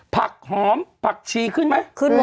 ผักหอมผักชีขึ้นมั้ย